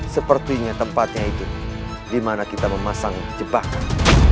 sepertinya tempatnya itu di mana kita memasang jebakan